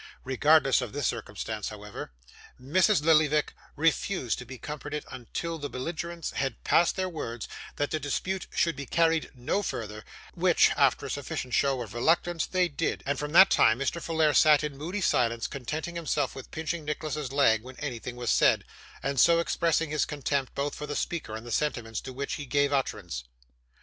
Regardless of this circumstance, however, Mrs. Lillyvick refused to be comforted until the belligerents had passed their words that the dispute should be carried no further, which, after a sufficient show of reluctance, they did, and from that time Mr. Folair sat in moody silence, contenting himself with pinching Nicholas's leg when anything was said, and so expressing his contempt both for the speaker and the sentiments to which he gave utterance.